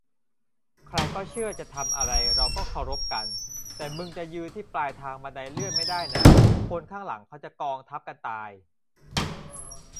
ใครก็เชื่อจะทำอะไรเราก็เคารพกัน แต่มึงจะยืนที่ปลายทางบันไดเลื่อนไม่ได้นะ คนข้างหลังเขาจะกองทับกันตาย